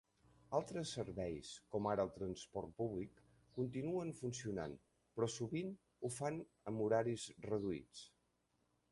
Altres serveis, com ara el transport públic, continuen funcionant, però sovint ho fan amb horaris reduïts.